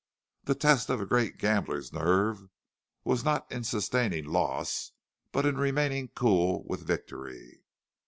The test of a great gambler's nerve was not in sustaining loss, but in remaining cool with victory.